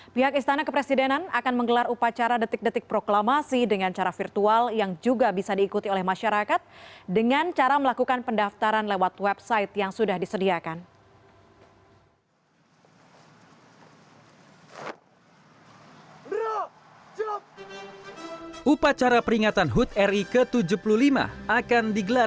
pihak istana kepresidenan akan menggelar upacara detik detik proklamasi dengan cara virtual yang juga bisa diikuti oleh masyarakat dengan cara melakukan pendaftaran lewat website yang sudah disediakan